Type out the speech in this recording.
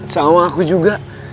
sama aku juga